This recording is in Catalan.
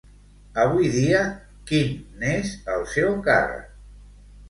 Avui dia, quin n'és el seu càrrec?